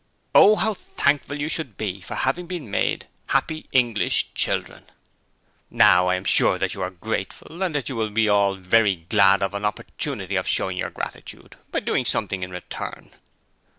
Oh, how thankful you should be for having been made happy English children. Now, I am sure that you are grateful and that you will all be very glad of an opportunity of showing your gratitude by doing something in return.